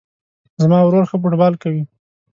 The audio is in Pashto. زما ورور ښه فوټبال کوی